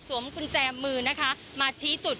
กุญแจมือนะคะมาชี้จุด